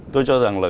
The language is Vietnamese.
tôi cho rằng là